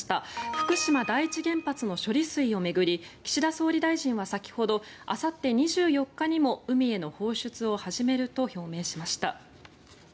福島第一原発の処理水を巡り岸田総理大臣は先ほどあさって２４日にも海への放出を始めると表明しました。